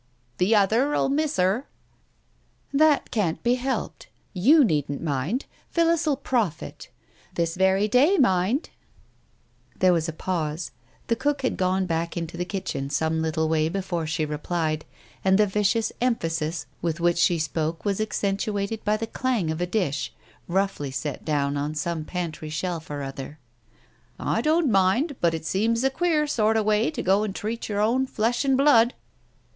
"The other '11 miss her!" "That can't be helped. You needn't mind— Phillis '11 profit. This very day, mind !" There was a pause. The cook had gone back into the kitchen some little way before she replied, and the vicious emphasis with which she spoke was accentuated by the clang of a dish, roughly set down on some pantry shelf or other. "I don't mind, but it seems a queer sort of way to go and treat your own flesh and blood